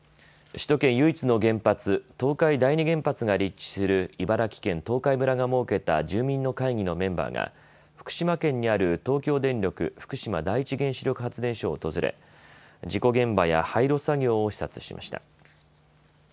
首都圏唯一の原発、東海第二原発が立地する茨城県東海村が設けた住民の会議のメンバーが福島県にある東京電力福島第一原子力発電所を訪れ事故現場や廃炉作業を視察しました。